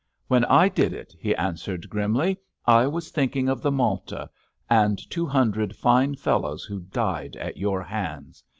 "When I did it," he answered, grimly, "I was thinking of the Malta, and two hundred fine fellows who died at your hands.